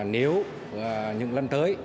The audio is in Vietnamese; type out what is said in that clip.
nếu những lần tới